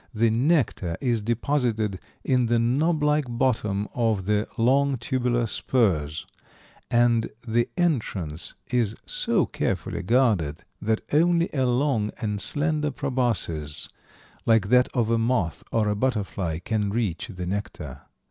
The nectar is deposited in the knob like bottom of the long tubular spurs, and the entrance is so carefully guarded that only a long and slender proboscis, like that of a moth or a butterfly can reach the nectar.